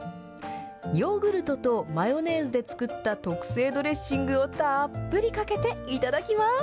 ヨーグルトとマヨネーズで作った特製ドレッシングをたっぷりかけて頂きます。